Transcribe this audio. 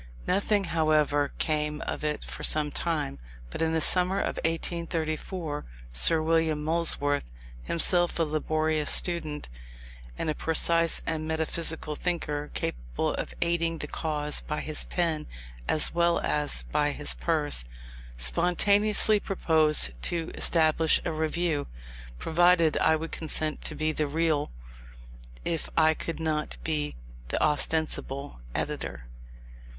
Nothing, however, came of it for some time: but in the summer of 1834 Sir William Molesworth, himself a laborious student, and a precise and metaphysical thinker, capable of aiding the cause by his pen as well as by his purse, spontaneously proposed to establish a Review, provided I would consent to be the real, if I could not be the ostensible, editor.